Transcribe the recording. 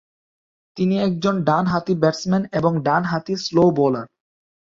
তিনি একজন ডানহাতি ব্যাটসম্যান এবং ডানহাতি স্লো বোলার।